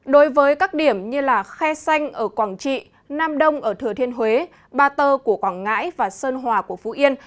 đối với các điểm như khe xanh ở quảng trị nam đông ở thừa thiên huế ba tơ của quảng ngãi và sơn hòa của phú yên